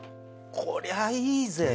こりゃいいぜ。